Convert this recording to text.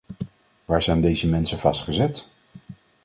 Waar zijn deze mensen vastgezet?